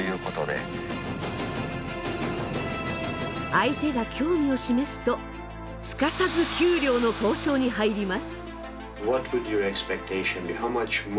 相手が興味を示すとすかさず給料の交渉に入ります。